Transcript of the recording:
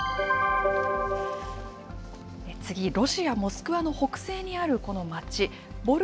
次、ロシア・モスクワの北西にあるこの町。